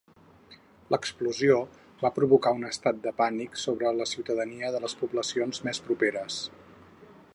L'explosió va provocar un estat de pànic sobre la ciutadania de les poblacions més properes.